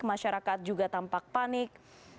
masyarakat juga tampak panik